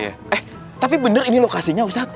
eh tapi bener ini lokasinya ustadz